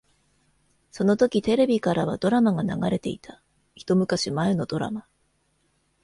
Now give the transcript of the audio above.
そのときテレビからはドラマが流れていた。一昔前のドラマ。